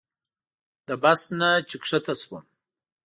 له بس نه چې ښکته شوم.